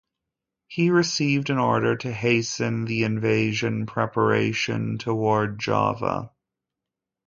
He received an order to hasten the invasion preparation toward Java.